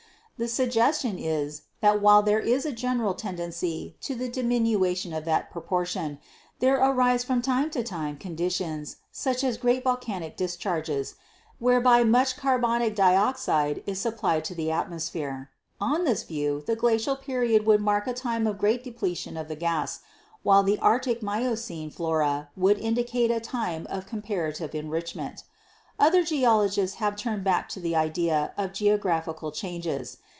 The suggestion is that while there is a gen eral tendency to the diminution of that proportion there arise from time to time conditions, such as great volcanic discharges, whereby much carbonic dioxide is supplied to the atmosphere. On this view the Glacial Period would mark a time of great depletion of the gas, while the Arctic Miocene flora would indicate a time of comparative en HISTORICAL GEOLOGY 235 richment. Other geologists have turned back to the idea of geographical changes.